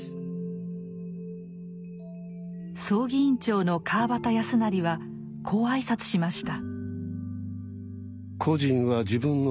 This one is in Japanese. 葬儀委員長の川端康成はこう挨拶しました。